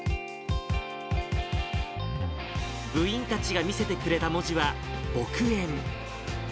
部員たちが見せてくれた文字は墨縁。